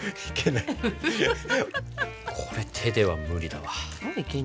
これ手では無理だわ。